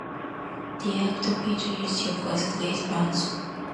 The actor Peter Ustinov was a great-grandson.